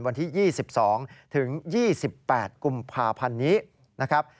วันที่๒๒ถึง๒๘กุมภาพันธ์นี้นะครับ